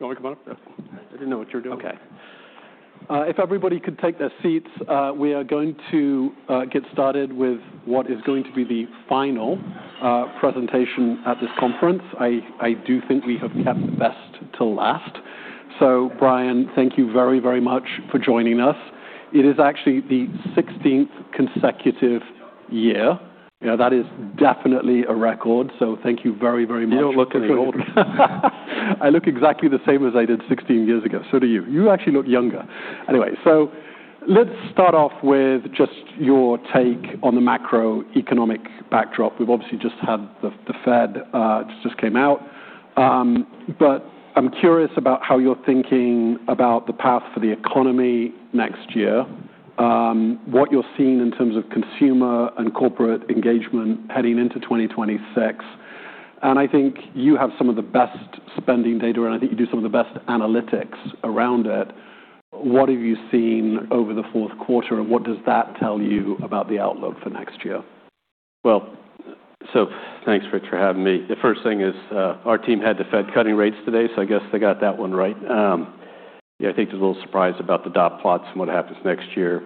You want me to come up? Yeah. I didn't know what you were doing. Okay. If everybody could take their seats, we are going to get started with what is going to be the final presentation at this conference. I do think we have kept the best till last. So, Brian, thank you very, very much for joining us. It is actually the 16th consecutive year. You know, that is definitely a record, so thank you very, very much. You don't look any older. I look exactly the same as I did 16 years ago, so do you. You actually look younger. Anyway, so let's start off with just your take on the macroeconomic backdrop. We've obviously just had the Fed just came out, but I'm curious about how you're thinking about the path for the economy next year, what you're seeing in terms of consumer and corporate engagement heading into 2026, and I think you have some of the best spending data, and I think you do some of the best analytics around it. What have you seen over the fourth quarter, and what does that tell you about the outlook for next year? Well, so thanks, Rich, for having me. The first thing is, our team had the Fed cutting rates today, so I guess they got that one right. Yeah, I think there's a little surprise about the dot plots and what happens next year.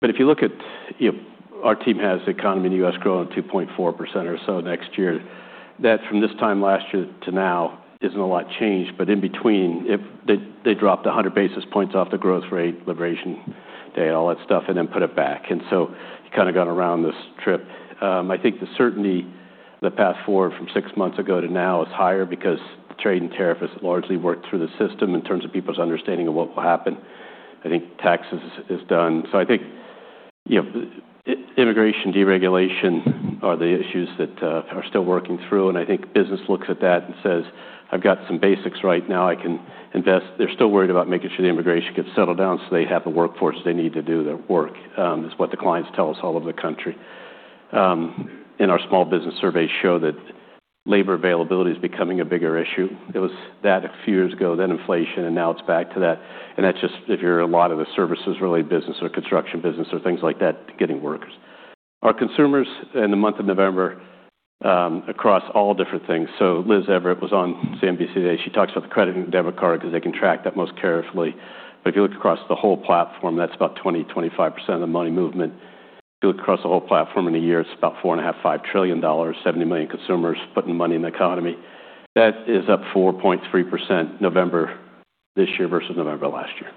But if you look at, you know, our team has the economy in the U.S. growing 2.4% or so next year. That from this time last year to now isn't a lot changed, but in between, they dropped 100 basis points off the growth rate, Liberation Day, all that stuff, and then put it back. And so you kind of got around this trip. I think the certainty that passed forward from six months ago to now is higher because the trade and tariff has largely worked through the system in terms of people's understanding of what will happen. I think taxes is done. So I think, you know, immigration, deregulation are the issues that are still working through. And I think business looks at that and says, "I've got some basics right now. I can invest." They're still worried about making sure the immigration gets settled down so they have the workforce they need to do their work, is what the clients tell us all over the country, and our small business surveys show that labor availability is becoming a bigger issue. It was that a few years ago, then inflation, and now it's back to that. And that's just if you're a lot of the services-related business or construction business or things like that, getting workers. Our consumers in the month of November, across all different things. So Liz Everett was on CNBC today. She talks about the credit and debit card because they can track that most carefully. But if you look across the whole platform, that's about 20-25% of the money movement. If you look across the whole platform in a year, it's about $4.5 trillion -$5 trillion, 70 million consumers putting money in the economy. That is up 4.3% November this year versus November last year.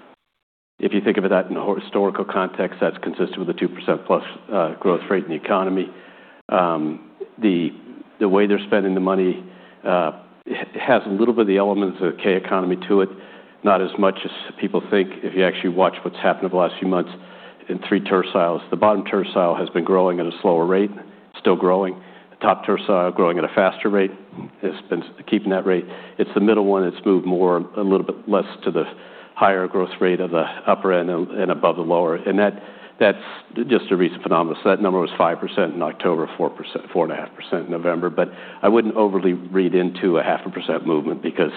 If you think of that in a historical context, that's consistent with the 2%+ growth rate in the economy. The way they're spending the money has a little bit of the elements of the K-shaped economy to it, not as much as people think if you actually watch what's happened over the last few months in three terciles. The bottom tercile has been growing at a slower rate, still growing. The top tercile is growing at a faster rate. It's been keeping that rate. It's the middle one that's moved more, a little bit less to the higher growth rate of the upper end and above the lower. And that, that's just a recent phenomenon. So that number was 5% in October, 4%, 4.5% in November. But I wouldn't overly read into a half a percent movement because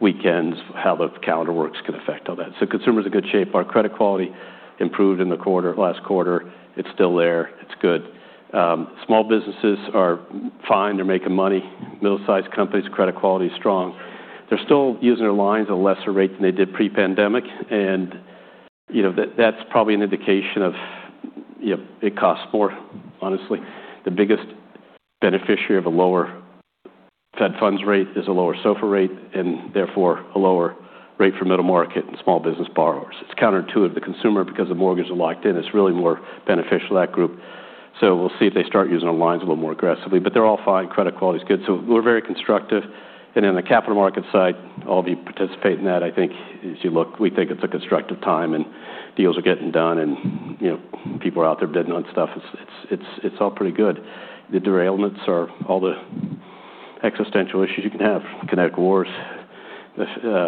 weekends, how the calendar works, can affect all that. So consumers are in good shape. Our credit quality improved in the quarter, last quarter. It's still there. It's good. Small businesses are fine. They're making money. Middle-sized companies, credit quality is strong. They're still using their lines at a lesser rate than they did pre-pandemic. And, you know, that, that's probably an indication of, you know, it costs more, honestly. The biggest beneficiary of a lower Fed funds rate is a lower SOFR rate and therefore a lower rate for middle market and small business borrowers. It's counterintuitive to the consumer because the mortgages are locked in. It's really more beneficial to that group, so we'll see if they start using our lines a little more aggressively, but they're all fine. Credit quality is good, so we're very constructive, and in the capital market side, all of you participate in that, I think, as you look, we think it's a constructive time and deals are getting done and, you know, people are out there bidding on stuff. It's all pretty good. The derailments are all the existential issues you can have: kinetic wars,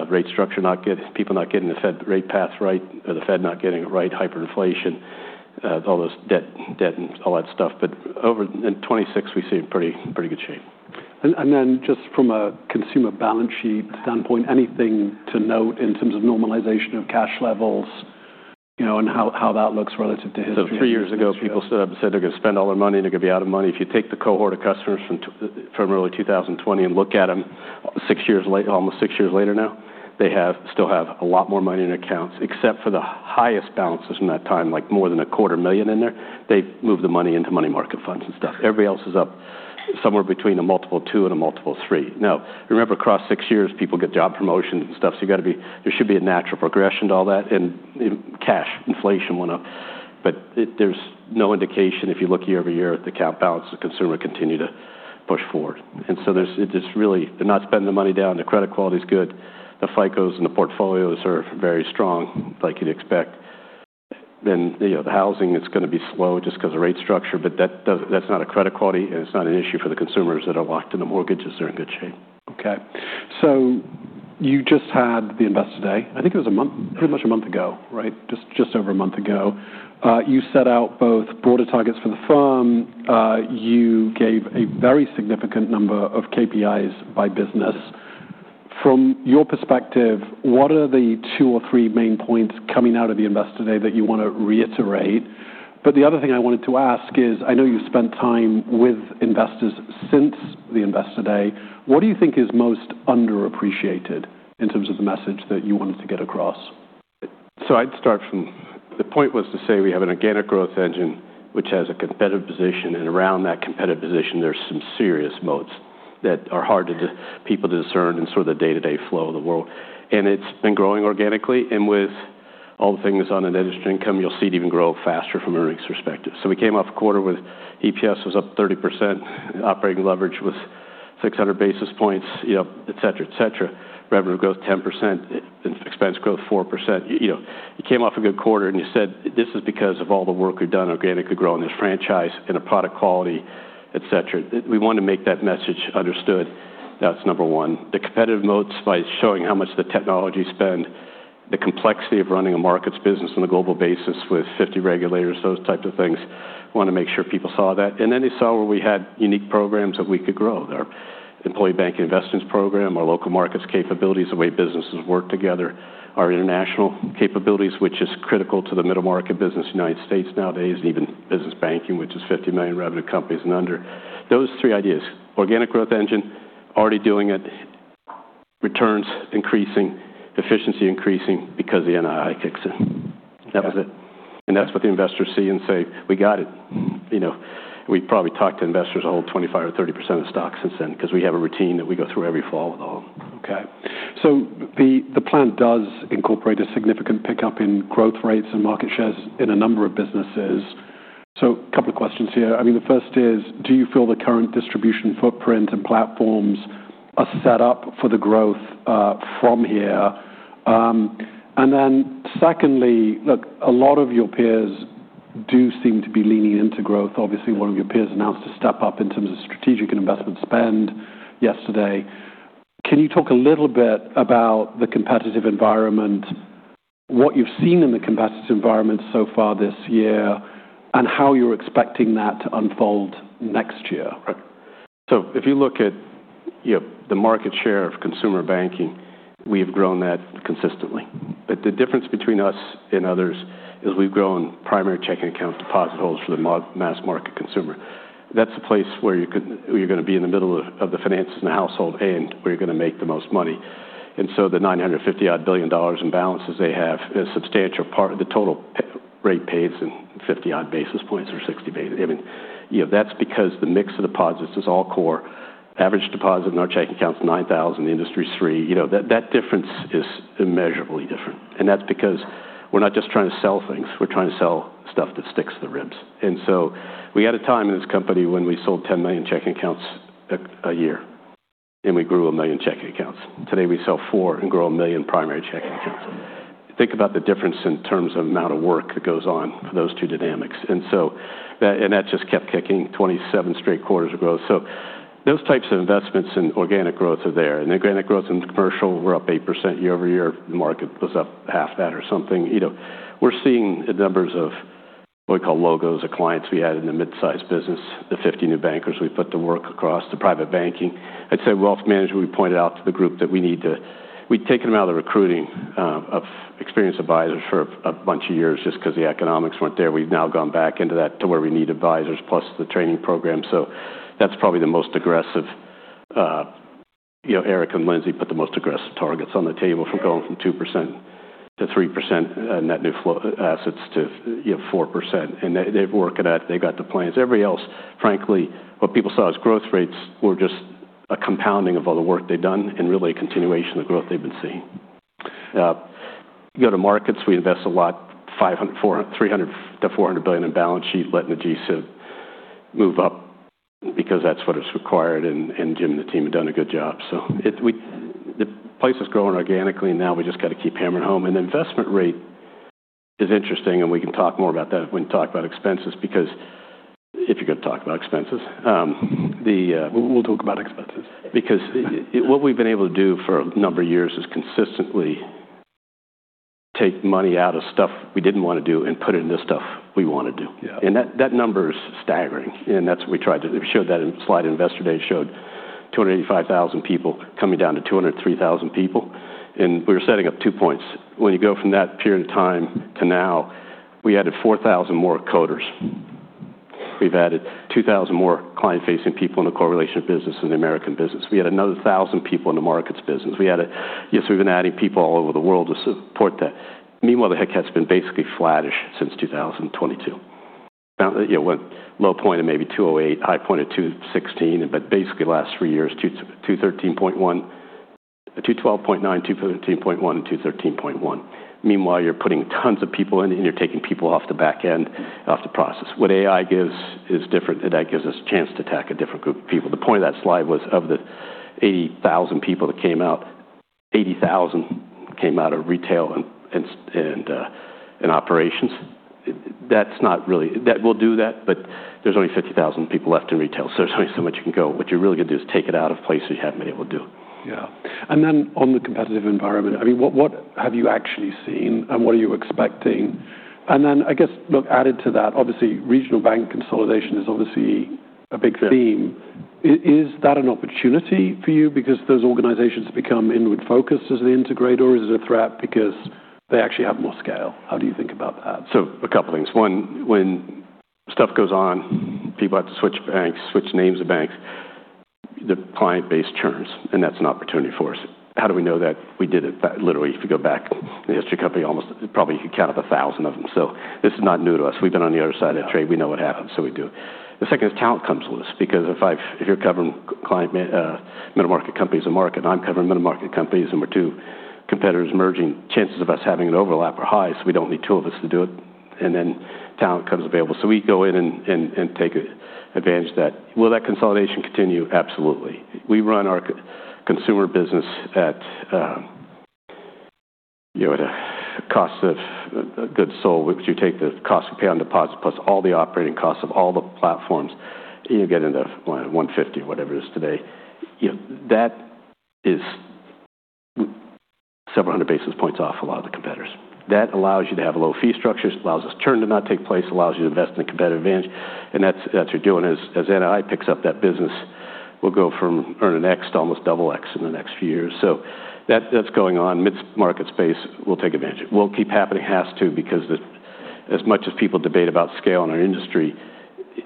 rate structure not good, people not getting the Fed rate path right, or the Fed not getting it right, hyperinflation, all those debt and all that stuff, but over in 2026, we see in pretty good shape. Just from a consumer balance sheet standpoint, anything to note in terms of normalization of cash levels, you know, and how that looks relative to history? Three years ago, people stood up and said they're going to spend all their money and they're going to be out of money. If you take the cohort of customers from early 2020 and look at them six years later, almost six years later now, they still have a lot more money in their accounts, except for the highest balances from that time, like more than $250,000 in there. They've moved the money into money market funds and stuff. Everybody else is up somewhere between a multiple two and a multiple three. Now, remember, across six years, people get job promotions and stuff. So you've got to be, there should be a natural progression to all that. And cash inflation went up. But there's no indication. If you look year-over-year at the account balance, the consumer will continue to push forward. There's really they're not spending the money down. The credit quality is good. The FICOs and the portfolios are very strong, like you'd expect. Then, you know, the housing is going to be slow just because of rate structure. But that's not a credit quality and it's not an issue for the consumers that are locked in the mortgages. They're in good shape. Okay. So you just had the investor day. I think it was a month, pretty much a month ago, right? Just over a month ago. You set out both broader targets for the firm. You gave a very significant number of KPIs by business. From your perspective, what are the two or three main points coming out of the investor day that you want to reiterate? But the other thing I wanted to ask is, I know you've spent time with investors since the investor day. What do you think is most underappreciated in terms of the message that you wanted to get across? So I'd start from the point was to say we have an organic growth engine, which has a competitive position. And around that competitive position, there's some serious moats that are hard to people to discern in sort of the day-to-day flow of the world. And it's been growing organically. And with all the things on an interest income, you'll see it even grow faster from an earnings perspective. So we came off a quarter with EPS was up 30%. Operating leverage was 600 basis points, you know, et cetera, et cetera. Revenue growth 10%. Expense growth 4%. You know, you came off a good quarter and you said, "This is because of all the work we've done, organically grown this franchise and the product quality, et cetera." We want to make that message understood. That's number one. The competitive moats by showing how much the technology spend, the complexity of running a markets business on a global basis with 50 regulators, those types of things. We want to make sure people saw that, and then they saw where we had unique programs that we could grow. Our employee banking investments program, our local markets capabilities, the way businesses work together, our international capabilities, which is critical to the middle market business, United States nowadays, and even business banking, which is $50 million revenue companies and under. Those three ideas, organic growth engine, already doing it, returns increasing, efficiency increasing because the NII kicks in. That was it. That's what the investors see and say, "We got it." You know, we probably talked to investors a whole 25 or 30% of the stock since then because we have a routine that we go through every fall with all of them. Okay. So the plan does incorporate a significant pickup in growth rates and market shares in a number of businesses. So a couple of questions here. I mean, the first is, do you feel the current distribution footprint and platforms are set up for the growth from here? And then secondly, look, a lot of your peers do seem to be leaning into growth. Obviously, one of your peers announced a step up in terms of strategic and investment spend yesterday. Can you talk a little bit about the competitive environment, what you've seen in the competitive environment so far this year, and how you're expecting that to unfold next year? Right. So if you look at, you know, the market share of consumer banking, we have grown that consistently. But the difference between us and others is we've grown primary checking account deposit holds for the mass market consumer. That's a place where you're going to be in the middle of the finances and the household and where you're going to make the most money. And so the $950 billion in balances they have is a substantial part of the total rate paid, in 50-odd basis points or 60 basis points. I mean, you know, that's because the mix of deposits is all core. Average deposit in our checking accounts is 9,000 industries for a year. You know, that difference is immeasurably different. And that's because we're not just trying to sell things. We're trying to sell stuff that sticks to the ribs. And so we had a time in this company when we sold 10 million checking accounts a year, and we grew a million checking accounts. Today we sell four and grow a million primary checking accounts. Think about the difference in terms of the amount of work that goes on for those two dynamics. And so that just kept kicking, 27 straight quarters of growth. So those types of investments in organic growth are there. And the organic growth in commercial, we're up 8% year-over-year. The market was up half that or something. You know, we're seeing the numbers of what we call logos of clients we had in the mid-size business, the 50 new bankers we put to work across the private banking. I'd say Wealth Management, we pointed out to the group that we need to, we've taken them out of the recruiting, of experienced advisors for a bunch of years just because the economics weren't there. We've now gone back into that to where we need advisors plus the training program. So that's probably the most aggressive, you know, Eric and Lindsay put the most aggressive targets on the table from going from 2% to 3% in net new assets to, you know, 4%. And they're working at it. They got the plans. Everybody else, frankly, what people saw as growth rates were just a compounding of all the work they've done and really a continuation of the growth they've been seeing. Global Markets, we invest a lot, $500 billion, $400 billion, $300-$400 billion in balance sheet letting the G-SIB move up because that's what it's required. Jim and the team have done a good job. So, the place is growing organically now. We just got to keep hammering home. And the investment rate is interesting, and we can talk more about that when we talk about expenses because if you're going to talk about expenses, we'll talk about expenses because what we've been able to do for a number of years is consistently take money out of stuff we didn't want to do and put it in this stuff we want to do. And that number is staggering. And that's what we tried to show that in slide Investor Day showed 285,000 people coming down to 203,000 people. And we were setting up two points. When you go from that period of time to now, we added 4,000 more coders. We've added 2,000 more client-facing people in the correlation business and the American business. We had another 1,000 people in the markets business. We added, yes, we've been adding people all over the world to support that. Meanwhile, the headcount has been basically flattish since 2022. You know, went low point at maybe 208, high point at 216, but basically last three years, 213.1, 212.9, 213.1, and 213.1. Meanwhile, you're putting tons of people in and you're taking people off the back end of the process. What AI gives is different. That gives us a chance to attack a different group of people. The point of that slide was of the 80,000 people that came out, 80,000 came out of retail and operations. That's not really, that will do that, but there's only 50,000 people left in retail. So there's only so much you can go. What you're really going to do is take it out of places you haven't been able to do. Yeah. And then on the competitive environment, I mean, what have you actually seen and what are you expecting? And then I guess, look, added to that, obviously regional bank consolidation is obviously a big theme. Is that an opportunity for you because those organizations become inward-focused as the integrator or is it a threat because they actually have more scale? How do you think about that? So a couple of things. One, when stuff goes on, people have to switch banks, switch names of banks, the client base turns, and that's an opportunity for us. How do we know that we did it? Literally, if you go back in the history of company, almost probably you can count up a 1,000 of them. So this is not new to us. We've been on the other side of the trade. We know what happens. So we do. The second is talent comes to us because if you're covering client, middle market companies in the market, I'm covering middle market companies and we're two competitors merging. Chances of us having an overlap are high. So we don't need two of us to do it. And then talent comes available. So we go in and take advantage of that. Will that consolidation continue? Absolutely. We run our consumer business at, you know, at a cost of goods sold, which you take the cost we pay on deposits plus all the operating costs of all the platforms, you know, get into 150 or whatever it is today. You know, that is several 100 basis points off a lot of the competitors. That allows you to have low fee structures, allows churn to not take place, allows you to invest in a competitive advantage. And that's, that's what you're doing. As NII picks up that business, we'll go from earning X to almost double X in the next few years. So that, that's going on. Mid-market space, we'll take advantage. It has to keep happening because as much as people debate about scale in our industry,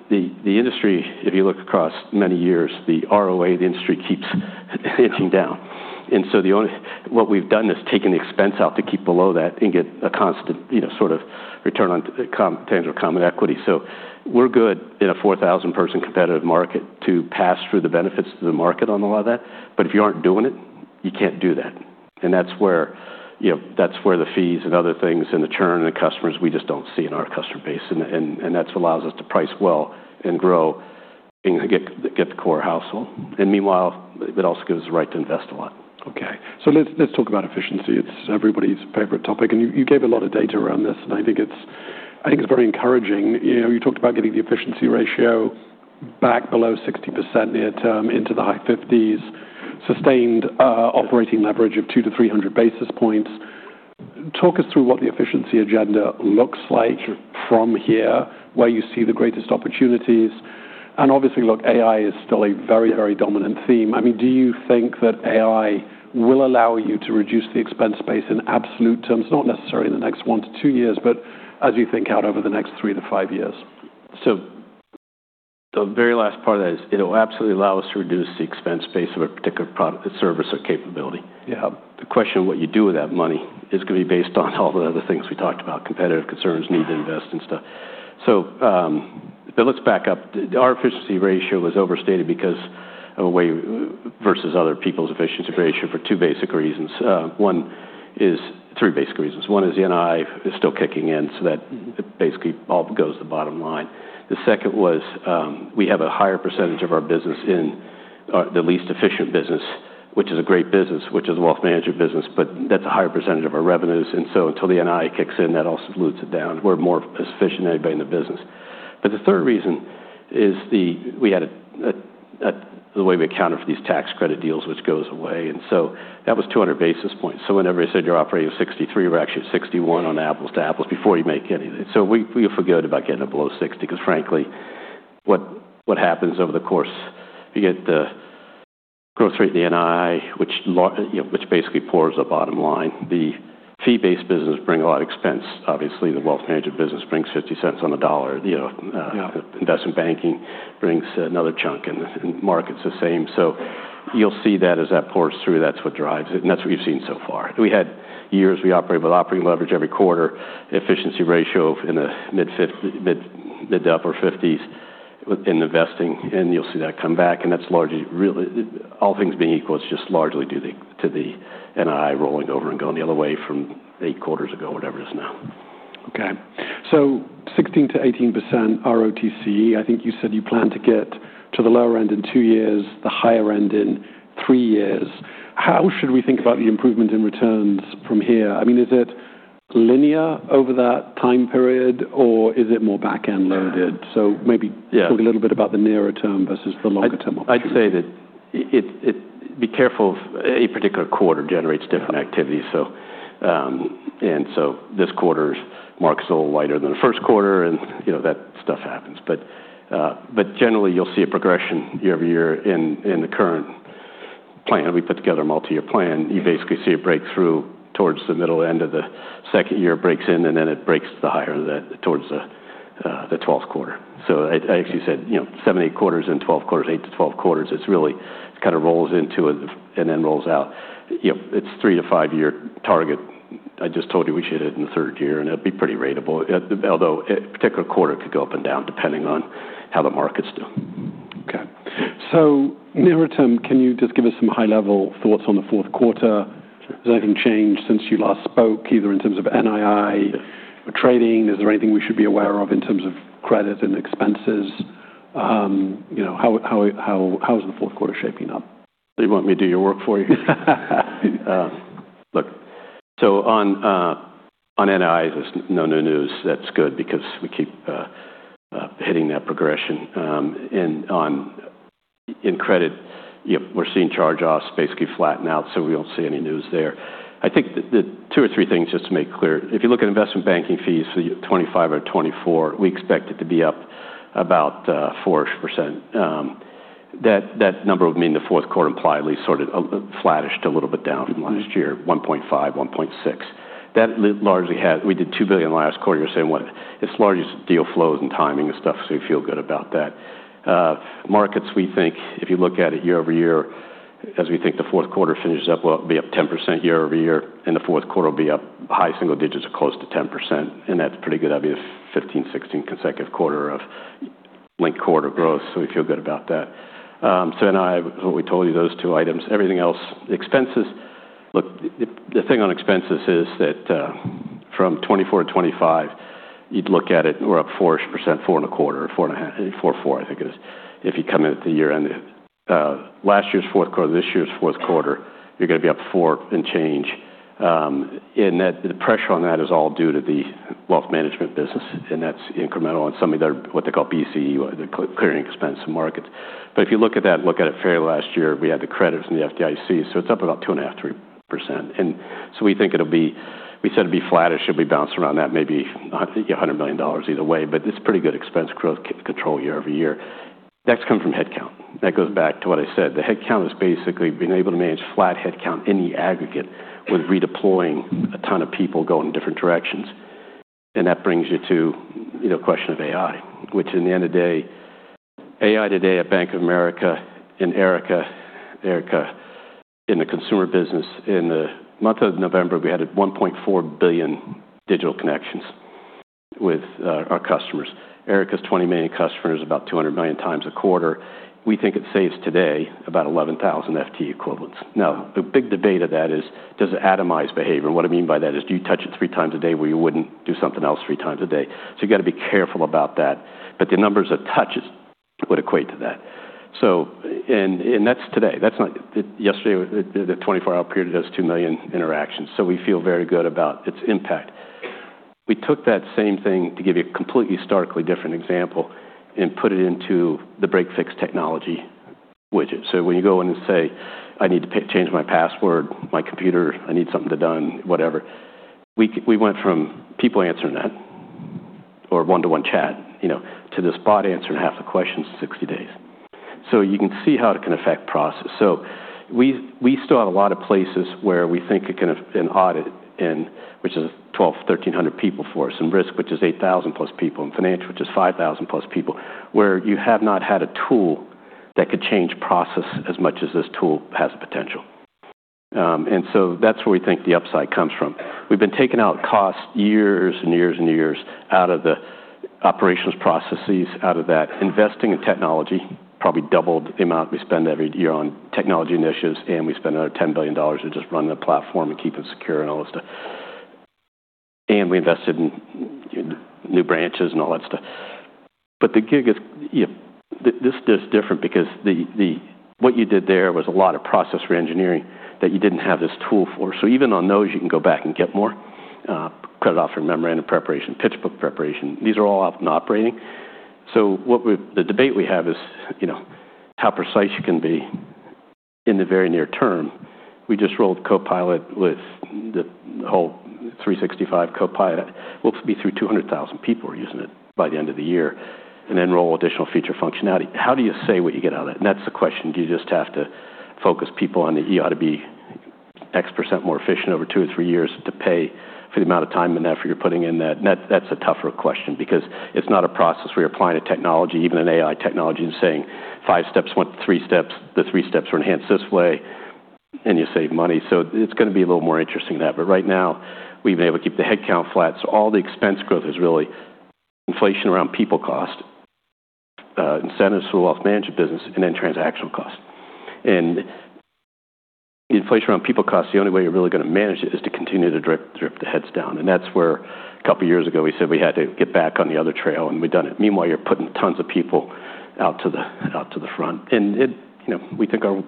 the industry, if you look across many years, the ROA of the industry keeps inching down. And so what we've done is taken the expense out to keep below that and get a constant, you know, sort of return on tangible common equity. So we're good in a 4,000-person competitive market to pass through the benefits to the market on a lot of that. But if you aren't doing it, you can't do that. And that's where, you know, that's where the fees and other things and the churn and the customers we just don't see in our customer base. And that's what allows us to price well and grow and get the core household. And meanwhile, it also gives us the right to invest a lot. Okay. So let's talk about efficiency. It's everybody's favorite topic. And you gave a lot of data around this, and I think it's very encouraging. You know, you talked about getting the efficiency ratio back below 60% near term into the high 50s, sustained, operating leverage of 200 basis points -300 basis points. Talk us through what the efficiency agenda looks like from here, where you see the greatest opportunities. And obviously, look, AI is still a very, very dominant theme. I mean, do you think that AI will allow you to reduce the expense space in absolute terms, not necessarily in the next one to two years, but as you think out over the next three to five years? So the very last part of that is it'll absolutely allow us to reduce the expense base of a particular product, service, or capability. The question of what you do with that money is going to be based on all the other things we talked about, competitive concerns, need to invest in stuff. So, but let's back up. Our efficiency ratio was overstated because of a way versus other people's efficiency ratio for two basic reasons. One is three basic reasons. One is NI is still kicking in. So that basically all goes to the bottom line. The second was, we have a higher percentage of our business in the least efficient business, which is a great business, which is a wealth management business, but that's a higher percentage of our revenues. And so until the NI kicks in, that also dilutes it down. We're more efficient than anybody in the business. But the third reason is the way we accounted for these tax credit deals, which goes away. And so that was 200 basis points. So whenever they said your operating was 63, we're actually at 61 on apples to apples before you make anything. So we forgot about getting it below 60 because frankly, what happens over the course if you get the growth rate in the NI, which, you know, which basically pours the bottom line, the fee-based business brings a lot of expense. Obviously, the wealth management business brings $0.50 cents on a dollar, you know, investment banking brings another chunk and markets the same. So you'll see that as that pours through, that's what drives it. And that's what we've seen so far. We had years we operated with operating leverage every quarter, efficiency ratio in the mid-50s, mid-to-upper 50s in investing, and you'll see that come back, and that's largely really all things being equal, it's just largely due to the NI rolling over and going the other way from eight quarters ago, whatever it is now. Okay. So 16%-18% ROTCE, I think you said you plan to get to the lower end in two years, the higher end in three years. How should we think about the improvement in returns from here? I mean, is it linear over that time period or is it more back-end loaded? So maybe talk a little bit about the nearer term versus the longer term opportunity. I'd say you'd be careful of a particular quarter generates different activity. So this quarter's mark is a little lighter than the first quarter and, you know, that stuff happens. But generally you'll see a progression year-over-year in the current plan. We put together a multi-year plan. You basically see a breakthrough towards the middle end of the second year breaks in and then it breaks the higher of that towards the 12th quarter. So I actually said, you know, seven, eight quarters and 12 quarters, eight to 12 quarters. It's really kind of rolls into and then rolls out. You know, it's three-year to five-year target. I just told you we should hit it in the third year and it'd be pretty ratable, although a particular quarter could go up and down depending on how the markets do. Okay, so nearer term, can you just give us some high-level thoughts on the fourth quarter? Has anything changed since you last spoke, either in terms of NII or trading? Is there anything we should be aware of in terms of credit and expenses? You know, how's the fourth quarter shaping up? They want me to do your work for you. Look, so on NIIs, there's no new news. That's good because we keep hitting that progression, and on in credit, you know, we're seeing charge-offs basically flatten out. So we don't see any news there. I think the two or three things just to make clear, if you look at investment banking fees for 2025 or 2024, we expect it to be up about 4%. That number would mean the fourth quarter implied at least sort of flattish to a little bit down from last year, $1.5, $1.6. That largely had we did $2 billion last quarter here saying what its largest deal flows and timing and stuff. So we feel good about that. Markets, we think if you look at it year over year, as we think the fourth quarter finishes up, we'll be up 10% year-over-year and the fourth quarter will be up high single digits or close to 10%. And that's pretty good. That'd be the 15th, 16th consecutive quarter of link quarter growth. So we feel good about that. So NII, what we told you, those two items, everything else, expenses, look, the thing on expenses is that, from 2024 to 2025, you'd look at it, we're up 4%, 4 and a quarter or 4 and a half, 4, 4, I think it is. If you come in at the year end, last year's fourth quarter, this year's fourth quarter, you're going to be up four and change. and that the pressure on that is all due to the wealth management business and that's incremental on some of their, what they call BCE, the clearing expense of markets. But if you look at that, look at it fairly. Last year, we had the credits and the FDIC. So it's up about 2.5%-3%. And so we think it'll be, we said it'd be flat or should be bounced around that maybe $100 million either way, but it's pretty good expense growth control year over year. That's come from headcount. That goes back to what I said. The headcount has basically been able to manage flat headcount in the aggregate with redeploying a ton of people going in different directions. And that brings you to, you know, question of AI, which in the end of the day, AI today at Bank of America and Erica. Erica in the consumer business in the month of November, we had 1.4 billion digital connections with our customers. Erica's 20 million customers, about 200 million times a quarter. We think it saves today about 11,000 FTE equivalents. Now, the big debate of that is, does it atomize behavior? And what I mean by that is do you touch it three times a day where you wouldn't do something else three times a day, so you got to be careful about that, but the numbers of touches would equate to that, and that's today. That's not yesterday. The 24-hour period does 2 million interactions, so we feel very good about its impact. We took that same thing to give you a completely historically different example and put it into the break fix technology widget. So when you go in and say, I need to change my password, my computer, I need something to be done, whatever. We went from people answering that or one-to-one chat, you know, to this bot answering half the questions in 60 days. So you can see how it can affect process. So we still have a lot of places where we think it can have an audit in, which is 1,200 people -1,300 people for us and risk, which is 1,000+ people and financial, which is 5,000+ people where you have not had a tool that could change process as much as this tool has the potential, and so that's where we think the upside comes from. We've been taking out costs years and years and years out of the operations processes, out of that investing in technology, probably doubled the amount we spend every year on technology initiatives, and we spend another $10 billion just running the platform and keeping it secure and all this stuff, and we invested in new branches and all that stuff, but the gig is, you know, this is different because what you did there was a lot of process re-engineering that you didn't have this tool for, so even on those, you can go back and get more, credit offering memorandum preparation, pitch book preparation. These are all out in operating. The debate we have is, you know, how precise you can be in the very near term. We just rolled Copilot with the whole 365 Copilot. We'll be through 200,000 people using it by the end of the year and then roll additional feature functionality. How do you say what you get out of it? And that's the question. Do you just have to focus people on the, you ought to be X% more efficient over two or three years to pay for the amount of time and effort you're putting in that? And that, that's a tougher question because it's not a process where you're applying a technology, even an AI technology and saying five steps, one, three steps, the three steps are enhanced this way and you save money. So it's going to be a little more interesting than that. But right now, we've been able to keep the headcount flat. So all the expense growth is really inflation around people cost, incentives for the wealth management business and then transactional cost. And the inflation around people cost, the only way you're really going to manage it is to continue to drip, drip the heads down. And that's where a couple of years ago we said we had to get back on the other trail and we've done it. Meanwhile, you're putting tons of people out to the front. And, you know, we think our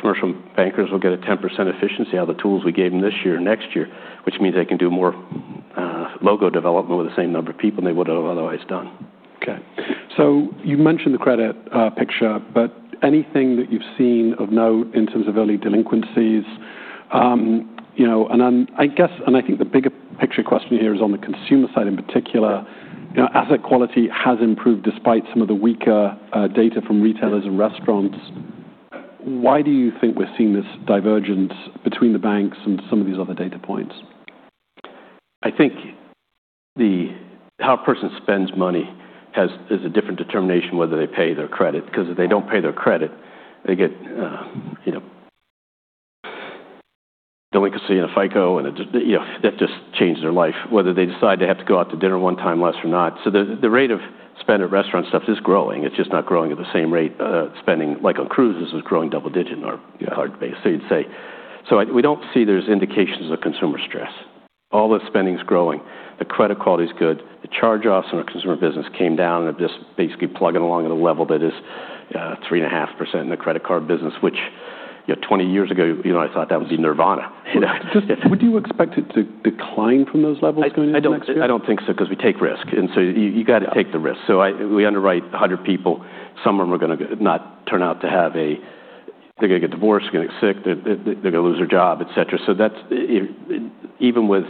commercial bankers will get a 10% efficiency out of the tools we gave them this year and next year, which means they can do more logo development with the same number of people they would have otherwise done. Okay. So you mentioned the credit picture, but anything that you've seen of note in terms of early delinquencies? You know, and I guess, and I think the bigger picture question here is on the consumer side in particular, you know, asset quality has improved despite some of the weaker data from retailers and restaurants. Why do you think we're seeing this divergence between the banks and some of these other data points? I think the how a person spends money is a different determination whether they pay their credit. Because if they don't pay their credit, they get, you know, delinquency and a FICO, you know, that just changes their life, whether they decide to have to go out to dinner one time less or not. So the rate of spend at restaurant stuff is growing. It's just not growing at the same rate, spending like on cruises is growing double digit in our card base. So you'd say, so we don't see there's indications of consumer stress. All the spending is growing. The credit quality is good. The charge-offs in our consumer business came down and are just basically plugging along at a level that is 3.5% in the credit card business, which, you know, 20 years ago, you know, I thought that would be nirvana. Would you expect it to decline from those levels going into next year? I don't think so because we take risk, and so you got to take the risk, so we underwrite 100 people. Some of them are going to not turn out to have a, they're going to get divorced, they're going to get sick, they're going to lose their job, etc., so that's, even with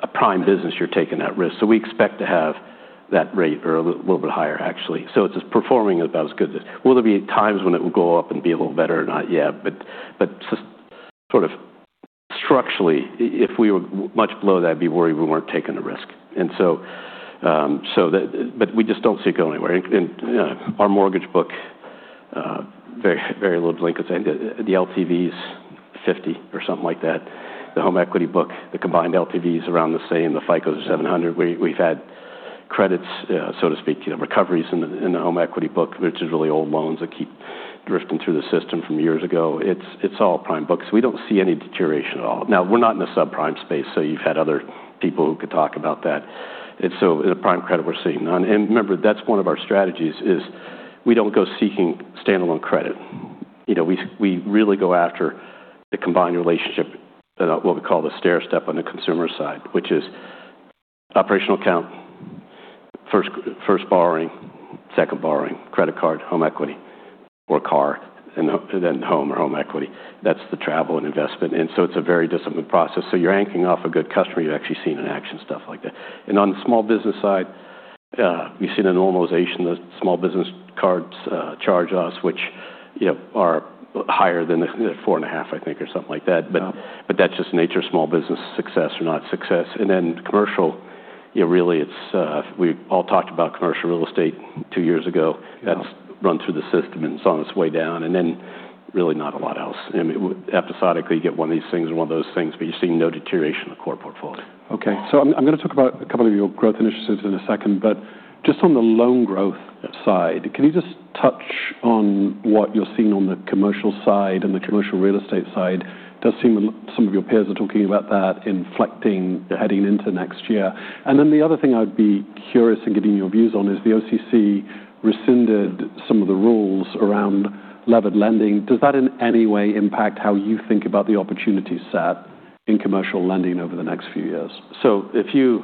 a prime business, you're taking that risk, so we expect to have that rate or a little bit higher, actually, so it's performing about as good as it will. There will be times when it will go up and be a little better or not yet, but, but sort of structurally, if we were much below, that'd be worried we weren't taking the risk, and so, so that, but we just don't see it going anywhere, and our mortgage book, very, very little delinquency, the LTV is 50 or something like that. The home equity book, the combined LTV is around the same. The FICO is 700. We've had credits, so to speak, you know, recoveries in the home equity book, which is really old loans that keep drifting through the system from years ago. It's all prime books. We don't see any deterioration at all. Now, we're not in a subprime space, so you've had other people who could talk about that. And so the prime credit we're seeing on, and remember, that's one of our strategies is we don't go seeking standalone credit. You know, we really go after the combined relationship, what we call the stair step on the consumer side, which is operational account, first, first borrowing, second borrowing, credit card, home equity, or car, and then home or home equity. That's the travel and investment. And so it's a very disciplined process. So you're anchoring off a good customer, you've actually seen an action, stuff like that. And on the small business side, we've seen a normalization of the small business cards charge-offs, which, you know, are higher than the 4.5, I think, or something like that. But that's just the nature of small business success or not success. And then commercial, you know, really it's we all talked about commercial real estate two years ago. That's run through the system and it's on its way down. And then really not a lot else. And episodically you get one of these things and one of those things, but you've seen no deterioration in the core portfolio. Okay. So I'm going to talk about a couple of your growth initiatives in a second, but just on the loan growth side, can you just touch on what you're seeing on the commercial side and the commercial real estate side? It does seem some of your peers are talking about that inflecting heading into next year. And then the other thing I'd be curious in getting your views on is the OCC rescinded some of the rules around leveraged lending. Does that in any way impact how you think about the opportunity set in commercial lending over the next few years? So if you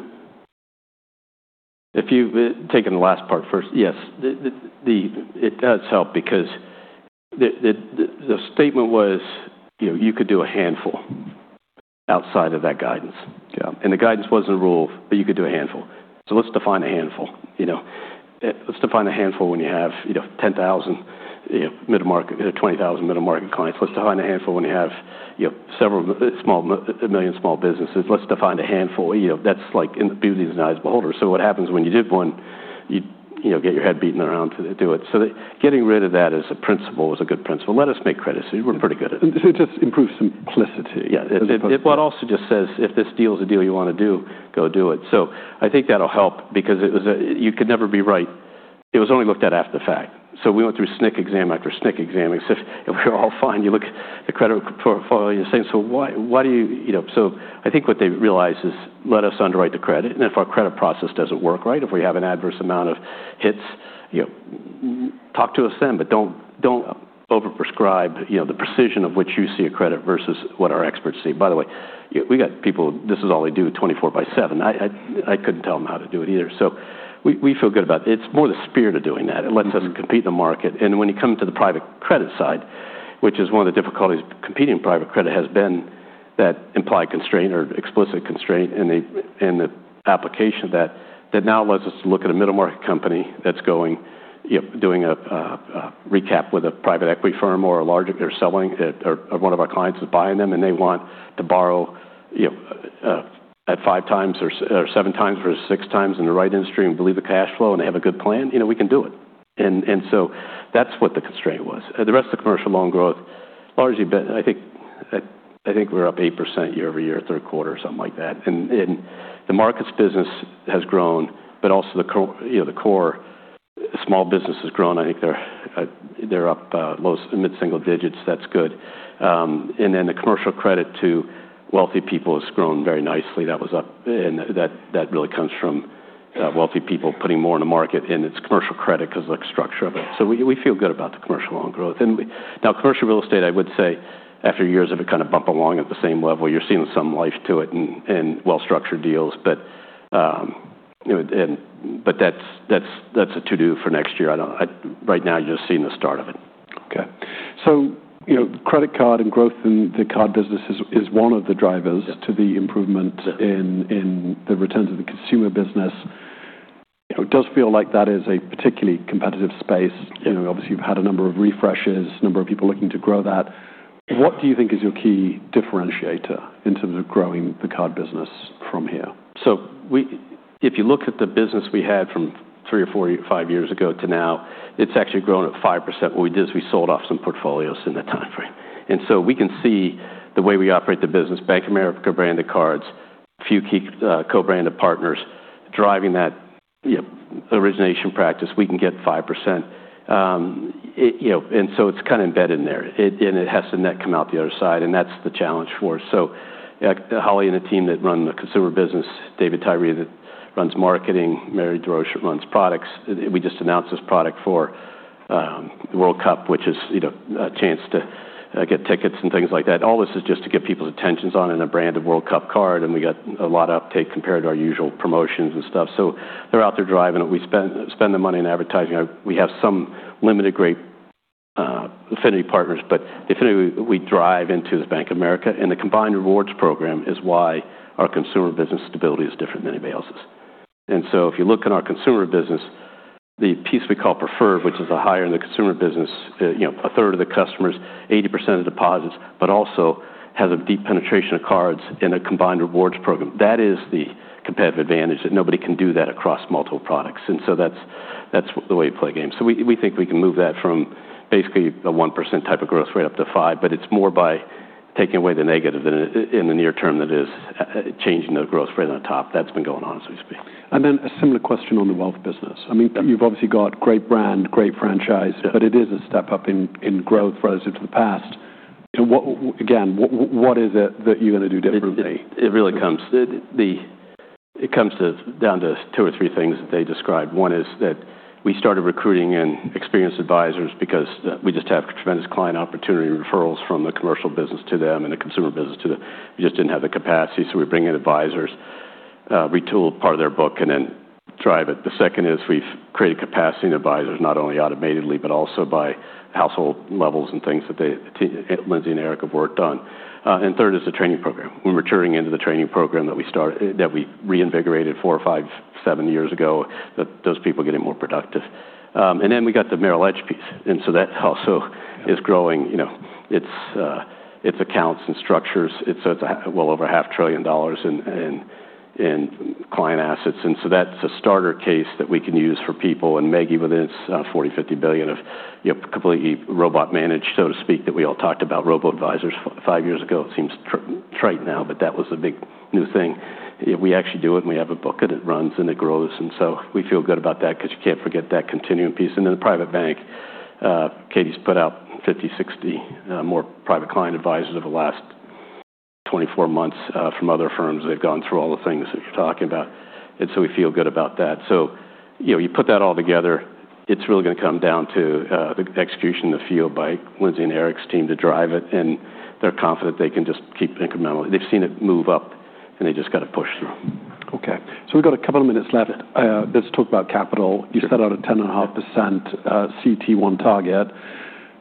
take the last part first, yes, it does help because the statement was, you know, you could do a handful outside of that guidance. And the guidance wasn't a rule, but you could do a handful. So let's define a handful, you know, let's define a handful when you have, you know, 10,000, you know, middle market, 20,000 middle market clients. Let's define a handful when you have, you know, a million small businesses. Let's define a handful, you know, that's like the beauty is in the eye of the beholder. So what happens when you did one, you know, get your head beaten around to do it. So getting rid of that as a principle is a good principle. Let us make credit. So we're pretty good at it. It just improves simplicity. Yeah. And what also just says, if this deal is a deal you want to do, go do it. So I think that'll help because it was a, you could never be right. It was only looked at after the fact. So we went through SNC exam after SNC exam. It's if we're all fine. You look at the credit portfolio. You're saying, so why, why do you, you know, so I think what they realized is let us underwrite the credit. And if our credit process doesn't work right, if we have an adverse amount of hits, you know, talk to us then, but don't, don't overprescribe, you know, the precision of which you see a credit versus what our experts see. By the way, we got people. This is all they do 24 by 7. I couldn't tell them how to do it either. So we feel good about it. It's more the spirit of doing that. It lets us compete in the market. And when you come to the private credit side, which is one of the difficulties competing private credit has been that implied constraint or explicit constraint and the application of that, that now lets us look at a middle market company that's going, you know, doing a recap with a private equity firm or a larger, they're selling or one of our clients is buying them and they want to borrow, you know, at five times or seven times or six times in the right industry and believe the cash flow and they have a good plan, you know, we can do it. And so that's what the constraint was. The rest of the commercial loan growth largely been. I think we're up 8% year-over-year, third quarter or something like that. The markets business has grown, but also the core, you know, the core small business has grown. I think they're up low mid-single digits. That's good, and then the commercial credit to wealthy people has grown very nicely. That was up, and that really comes from wealthy people putting more in the market, and it's commercial credit because of the structure of it. We feel good about the commercial loan growth. Now commercial real estate, I would say after years of it kind of bump along at the same level, you're seeing some life to it and well-structured deals. You know, that's a to-do for next year. I don't, right now you're just seeing the start of it. Okay, so you know, credit card and growth in the card business is one of the drivers to the improvement in the returns of the consumer business. You know, it does feel like that is a particularly competitive space. You know, obviously you've had a number of refreshes, a number of people looking to grow that. What do you think is your key differentiator in terms of growing the card business from here? So we, if you look at the business we had from three or four, five years ago to now, it's actually grown at 5%. What we did is we sold off some portfolios in that timeframe. And so we can see the way we operate the business, Bank of America branded cards, few key co-branded partners driving that, you know, origination practice. We can get 5%, you know, and so it's kind of embedded in there and it has to net come out the other side. And that's the challenge for us. So Holly and the team that run the consumer business, David Tyrie that runs marketing, Mary Droesch runs products. We just announced this product for the World Cup, which is, you know, a chance to get tickets and things like that. All this is just to get people's attentions on a branded World Cup card. And we got a lot of uptake compared to our usual promotions and stuff. So they're out there driving it. We spend, spend the money in advertising. We have some limited-grade affinity partners, but definitely we drive into the Bank of America and the combined rewards program is why our consumer business stability is different than anybody else's. And so if you look at our consumer business, the piece we call preferred, which is a higher in the consumer business, you know, a third of the customers, 80% of deposits, but also has a deep penetration of cards in a combined rewards program. That is the competitive advantage that nobody can do that across multiple products. And so that's, that's the way you play games. We think we can move that from basically a 1% type of growth rate up to 5%, but it's more by taking away the negative than in the near term that is changing the growth rate on top. That's been going on, so to speak. Then a similar question on the wealth business. I mean, you've obviously got great brand, great franchise, but it is a step up in growth relative to the past. You know, what again is it that you're going to do differently? It really comes down to two or three things that they described. One is that we started recruiting experienced advisors because we just have tremendous client opportunity referrals from the commercial business to them and the consumer business to them. We just didn't have the capacity. So we bring in advisors, retool part of their book and then drive it. The second is we've created capacity in advisors, not only automatically, but also by household levels and things that they, Lindsay and Eric, have worked on. Third is the training program. We're maturing into the training program that we started, that we reinvigorated four or five, seven years ago, that those people getting more productive. Then we got the Merrill Edge piece. So that also is growing, you know, it's accounts and structures. So it's well over $500 billion in client assets. And so that's a starter case that we can use for people. And, Maggie, within it, it's $40 billion - $50 billion of, you know, completely robot managed, so to speak, that we all talked about robot advisors five years ago. It seems trite now, but that was a big new thing. We actually do it and we have a book that it runs and it grows. And so we feel good about that because you can't forget that continuum piece. And then the Private Bank, Katy's put out 50-60 more private client advisors over the last 24 months, from other firms. They've gone through all the things that you're talking about. And so we feel good about that. So, you know, you put that all together, it's really going to come down to the execution in the field by Lindsay and Eric's team to drive it. And they're confident they can just keep incremental. They've seen it move up and they just got to push through. Okay. So we've got a couple of minutes left. Let's talk about capital. You set out a 10.5% CET1 target.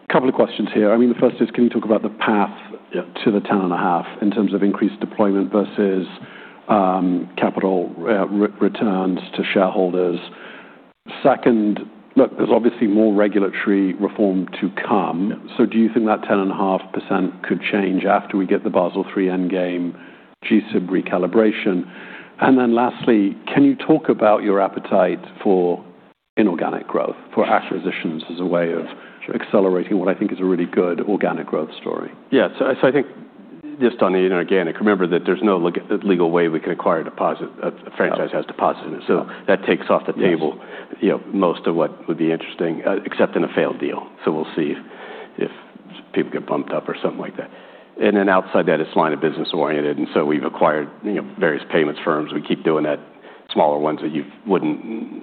A couple of questions here. I mean, the first is, can you talk about the path to the 10.5% in terms of increased deployment versus capital returns to shareholders? Second, look, there's obviously more regulatory reform to come. So do you think that 10.5% could change after we get the Basel III endgame, G-SIB recalibration? And then lastly, can you talk about your appetite for inorganic growth, for acquisitions as a way of accelerating what I think is a really good organic growth story? Yeah. So, I think just on the, you know, organic. Remember that there's no legal way we can acquire a deposit. A franchise has deposits in it. So that takes off the table, you know, most of what would be interesting, except in a failed deal. So we'll see if people get bumped up or something like that. And then outside that, it's line of business oriented. And so we've acquired, you know, various payments firms. We keep doing that, smaller ones that you wouldn't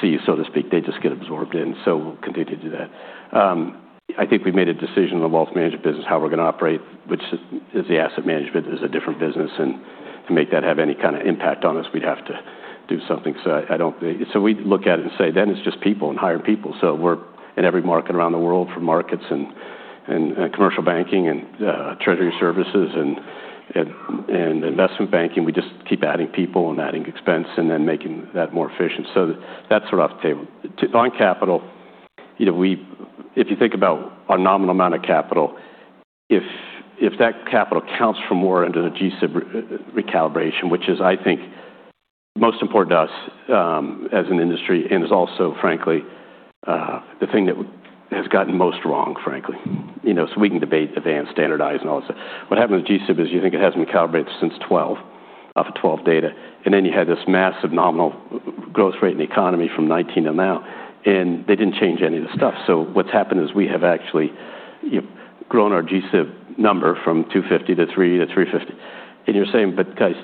see, so to speak. They just get absorbed in. So we'll continue to do that. I think we've made a decision in the wealth management business how we're going to operate, which is the asset management is a different business. And to make that have any kind of impact on us, we'd have to do something. So we look at it and say, then it's just people and hiring people. So we're in every market around the world for markets and commercial banking and treasury services and investment banking. We just keep adding people and adding expense and then making that more efficient. So that's sort of off the table. On capital, you know. If you think about our nominal amount of capital, if that capital counts for more into the G-SIB recalibration, which is, I think, most important to us as an industry, and is also frankly the thing that has gotten most wrong, frankly, you know, so we can debate advanced standardized and all that stuff. What happened with G-SIB is, you think, it hasn't been calibrated since 2012, off of 2012 data. And then you had this massive nominal growth rate in the economy from 2019 to now, and they didn't change any of the stuff. So what's happened is we have actually, you know, grown our G-SIB number from 250 to 300 to 350. And you're saying, but guys,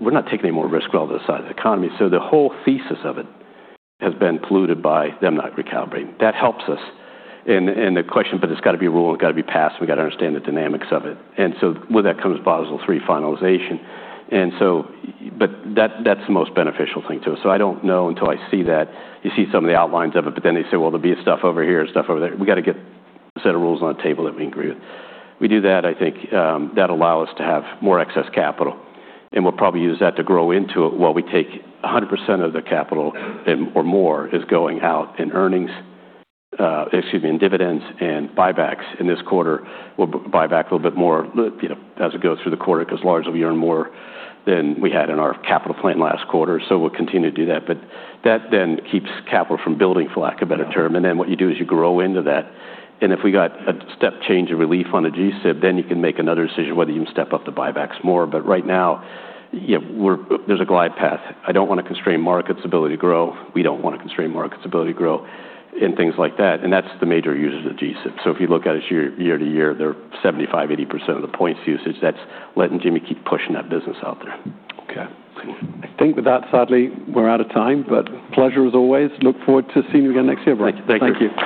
we're not taking any more risk with all this size of the economy. So the whole thesis of it has been polluted by them not recalibrating. That helps us. And the question, but it's got to be ruled, it's got to be passed, and we got to understand the dynamics of it. And so with that comes Basel III finalization. And so, but that, that's the most beneficial thing to us. So I don't know until I see that, you see some of the outlines of it, but then they say, well, there'll be stuff over here, stuff over there. We got to get a set of rules on the table that we agree with. We do that, I think, that allow us to have more excess capital. And we'll probably use that to grow into it while we take 100% of the capital and or more is going out in earnings, excuse me, in dividends and buybacks in this quarter. We'll buy back a little bit more, you know, as we go through the quarter because largely we earn more than we had in our capital plan last quarter. So we'll continue to do that. But that then keeps capital from building, for lack of a better term. And then what you do is you grow into that. And if we got a step change of relief on the G-SIB, then you can make another decision whether you can step up the buybacks more. But right now, you know, there's a glide path. I don't want to constrain markets' ability to grow. We don't want to constrain markets' ability to grow and things like that, and that's the major users of G-SIB, so if you look at it year to year, they're 75%-80% of the points usage. That's letting Jimmy keep pushing that business out there. Okay. I think with that, sadly, we're out of time, but pleasure as always. Look forward to seeing you again next year. Thank you.